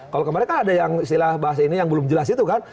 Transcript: kalau kemarin kan ada yang istilah bahasa ini yang belum jelas itu kan